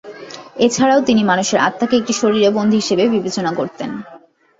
এছাড়াও তিনি মানুষের আত্মাকে একটি শরীরে 'বন্দী' হিসেবে বিবেচনা করতেন।